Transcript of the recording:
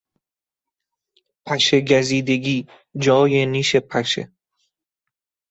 پشه گزیدگی، جای نیش پشه